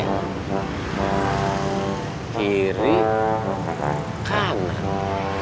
sampai jumpa lagi